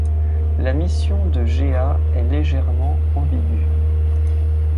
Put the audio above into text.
La Mission de Gea est légèrement ambiguë.